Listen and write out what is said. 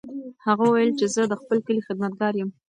هغه وویل چې زه د خپل کلي خدمتګار یم.